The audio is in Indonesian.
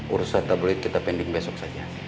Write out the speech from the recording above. urusan tabloid kita pending besok saja